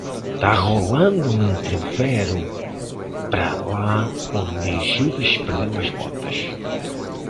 Tá rolando um entrevero pra lá onde Judas perdeu as botas